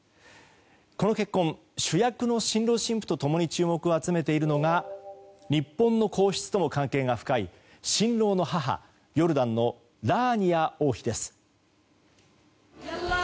この結婚、主役の新郎新婦と共に注目を集めているのが日本の皇室とも関係が深い新郎の母ヨルダンのラーニア王妃です。